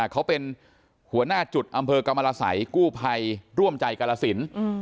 เขาเป็นหัวหน้าจุดอำเภอกรรมรสัยกู้ภัยร่วมใจกรสิน